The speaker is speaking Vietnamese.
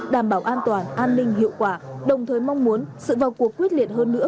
đảm bảo an toàn an ninh hiệu quả đồng thời mong muốn sự vào cuộc quyết liệt hơn nữa